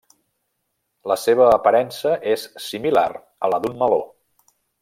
La seva aparença és similar a la d'un meló.